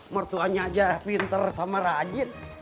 mertuanya aja pinter sama rajin